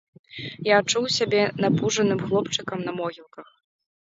Я адчуў сябе напужаным хлопчыкам на могілках.